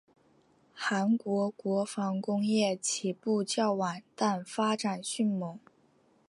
韩国国防工业起步较晚但发展迅猛。